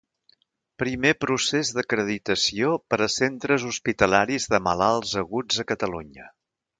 Primer procés d'acreditació per a centres hospitalaris de malalts aguts a Catalunya.